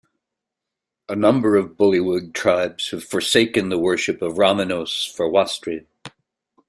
A number of bullywug tribes have forsaken the worship of Ramenos for Wastri.